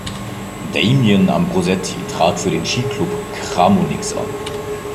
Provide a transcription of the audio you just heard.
Damien Ambrosetti trat für den Skiklub Chamonix an.